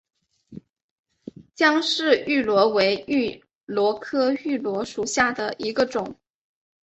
姜氏芋螺为芋螺科芋螺属下的一个种。